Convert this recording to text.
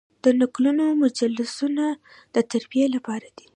د نکلونو مجلسونه د تربیې لپاره دي.